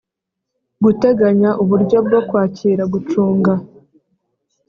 Guteganya uburyo bwo kwakira gucunga